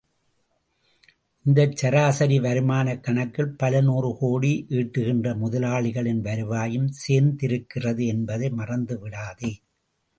இந்தச் சராசரி வருமானக் கணக்கில் பலநூறு கோடி ஈட்டுகின்ற முதலாளிகளின் வருவாயும் சேர்ந்திருக்கிறது என்பதை மறந்து விடாதே!